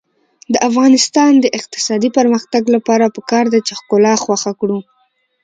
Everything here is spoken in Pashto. د افغانستان د اقتصادي پرمختګ لپاره پکار ده چې ښکلا خوښه کړو.